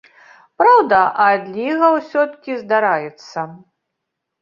Праўда, адліга ўсё-ткі здараецца.